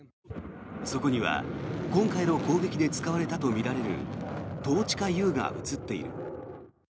そこには今回の攻撃で使われたとみられるトーチカＵが映っている。